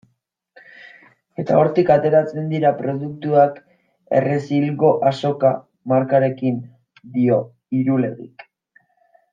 Eta hortik ateratzen dira produktuak Errezilgo Azoka markarekin, dio Irulegik.